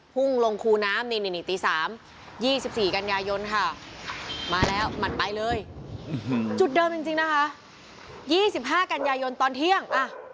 พุ่งลงคูน้ำนี่ตี๓๒๔กันยายนค่ะมาแล้วมันไปเลยจุดเดิมจริงนะคะ๒๕กันยายนตอนเที่ยง